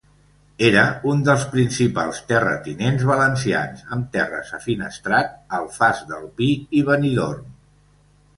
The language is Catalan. Era un dels principals terratinents valencians, amb terres a Finestrat, Alfàs del Pi i Benidorm.